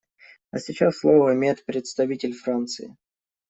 А сейчас слово имеет представитель Франции.